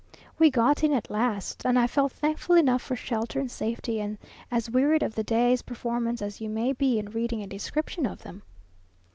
We got in at last, and I felt thankful enough for shelter and safety, and as wearied of the day's performances as you may be in reading a description of them.